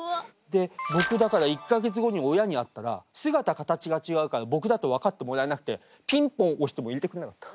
で僕だから１か月後に親に会ったら姿形が違うから僕だと分かってもらえなくてピンポン押しても入れてくれなかった。